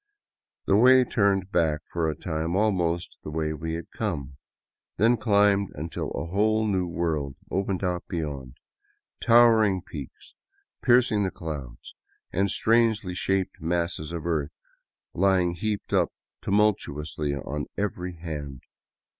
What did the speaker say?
The way turned back for a time al most the way we had come, then climbed until a whole new world opened out beyond, towering peaks piercing the clouds and strangely shaped masses of earth lying heaped up tumultuously on every hand.